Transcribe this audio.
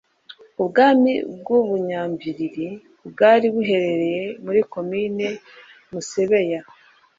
Ubwami bw'u Bunyambilili bwari buherereye muri Komini Musebeya,